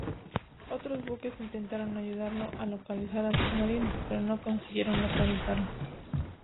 Otros buques, intentaron ayudarlo a localizar al submarino, pero no consiguieron localizarlo.